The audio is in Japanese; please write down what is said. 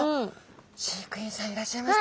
飼育員さんいらっしゃいましたね。